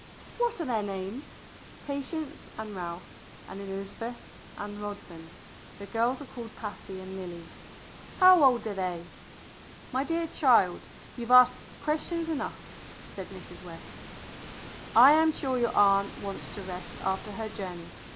"What are their names?" "Patience and Ralph and Elizabeth and Rodman. The girls are called Patty and Lily." "How old are they?" "My dear child, you've asked questions enough," said Mrs. West. "I am sure your aunt wants to rest after her joucney.